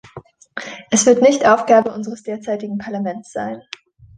Es wird nicht Aufgabe unseres derzeitigen Parlaments sein.